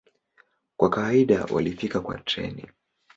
Kwa kawaida walifika kwa treni.